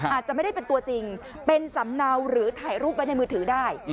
อาจจะไม่ได้เป็นตัวจริงเป็นสำเนาหรือถ่ายรูปไว้ในมือถือได้